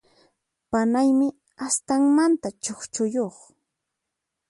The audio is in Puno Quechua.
Panaymi astanmanta chukchuyuq.